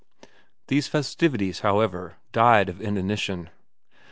These festivities, however, died of inanition.